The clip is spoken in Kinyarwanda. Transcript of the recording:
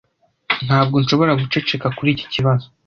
Ntabwo nshobora guceceka kuri iki kibazo.